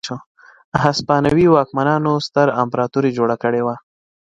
هسپانوي واکمنانو ستره امپراتوري جوړه کړې وه.